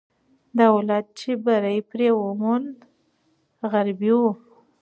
دولت چې بری پرې وموند، غربي وو.